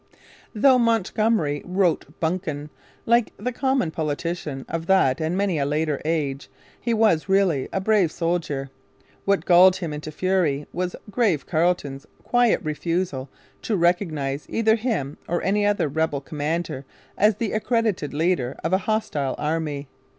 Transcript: Though Montgomery wrote bunkum like the common politician of that and many a later age, he was really a brave soldier. What galled him into fury was 'grave Carleton's' quiet refusal to recognize either him or any other rebel commander as the accredited leader of a hostile army.